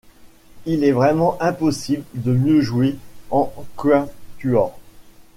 Il est vraiment impossible de mieux jouer en quatuor.